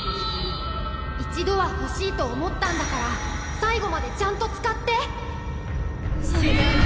一度はほしいと思ったんだから最後までちゃんと使って！